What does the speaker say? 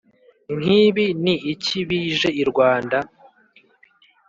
Nk’ibi ni iki bije I Rwanda